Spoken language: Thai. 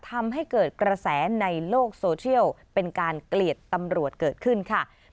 ทำให้เกิดกระแสในโลกโซเชียลเป็นการเกลียดตำรวจเกิดขึ้นค่ะ